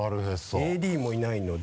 ＡＤもいないので。